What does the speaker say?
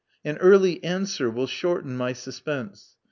An early answer will shorten my suspense.